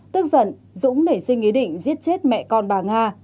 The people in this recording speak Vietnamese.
tức giận dũng nảy sinh ý định giết chết mẹ con bà nga